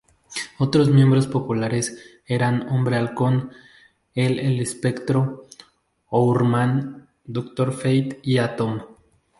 Otros miembros populares eran Hombre Halcón, el El Espectro, Hourman, Doctor Fate y Atom.